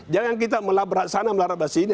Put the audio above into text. jangan kita melabrak sana melabrak bahas ini